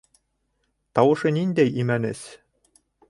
Тауышы ниндәй имәнес!